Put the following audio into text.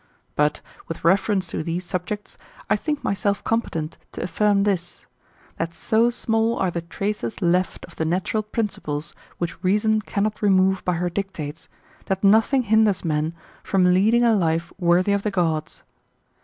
Bfit, with reference to these subjects, I think myself compe tent to affirm this ; that so small are the traces left of the natural principles, which reason cannot remove^ by her dictates, that nothing hinders men from leading a life worthy of the gods.